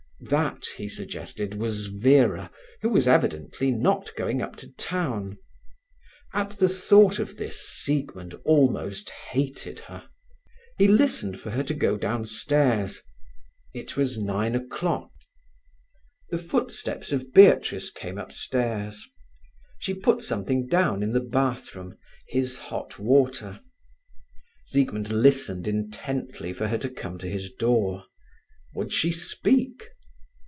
That, he suggested, was Vera, who was evidently not going up to town. At the thought of this, Siegmund almost hated her. He listened for her to go downstairs. It was nine o'clock. The footsteps of Beatrice came upstairs. She put something down in the bathroom—his hot water. Siegmund listened intently for her to come to his door. Would she speak?